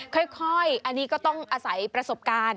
ค่อยอันนี้ก็ต้องอาศัยประสบการณ์